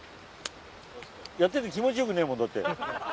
やってて気持ちよくねえもんだって。